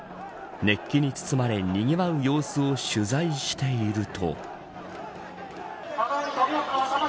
熱気に包まれにぎわう様子を取材していると。